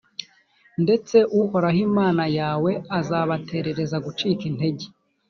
ndetse uhoraho imana yawe azabaterereza gucika intege